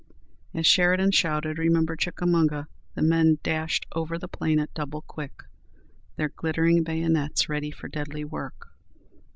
As Sheridan shouted, "Remember Chickamauga!" the men dashed over the plain at double quick, their glittering bayonets ready for deadly work.